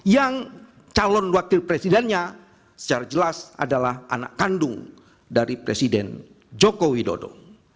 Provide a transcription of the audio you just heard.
yang calon wakil presidennya secara jelas adalah anak kandung dari presiden joko widodo